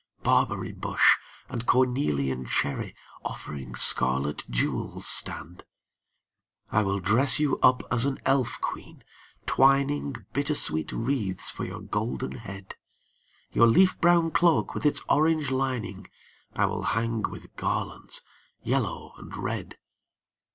Barberry bush and cornelian cherry Offering scarlet jewels stand. I will dress you up as an elf queen, twining Bittersweet wreaths for your golden head. Your leaf brown cloak with its orange lining I will hang with garlands yellow and red.